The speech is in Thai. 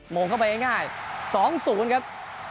งงเข้าไปง่าย๒๐ครับ